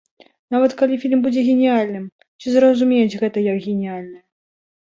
Нават калі фільм будзе геніяльным, ці зразумеюць гэта як геніяльнае.